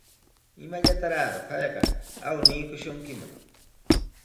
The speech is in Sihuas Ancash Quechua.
¿Imallataraqa payqa awniykishunkiman?